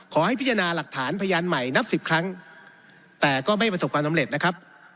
ขอให้พิจารณาหลักฐานพยานใหม่นับสิบครั้งแต่ก็ไม่ประสบความสำเร็จนะครับ